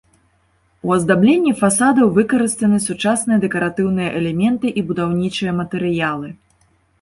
У аздабленні фасадаў выкарыстаны сучасныя дэкаратыўныя элементы і будаўнічыя матэрыялы.